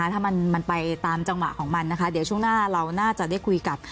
ถ้ามันไปตามจังหวะของมันนะคะเดี๋ยวช่วงหน้าเราน่าจะได้คุยกับ